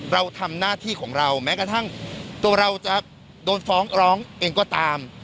เราทำหน้าที่ของเราแม้กระทั่งตัวเราจะโดนฟ้องร้องเองก็ตาม